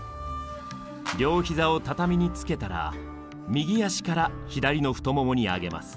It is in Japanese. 両膝を畳につけたら右足から左の太ももに上げます。